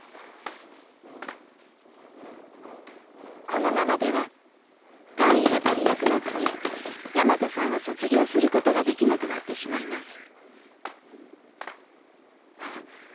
このままでは単位が足りなくなってヤマトさんは卒業することができなくなってしまいます。